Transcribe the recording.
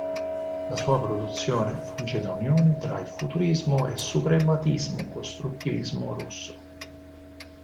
La sua produzione funge da unione tra il futurismo e suprematismo-costruttivismo russo.